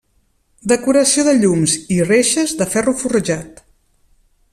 Decoració de llums i reixes de ferro forjat.